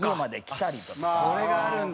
それがあるんだ。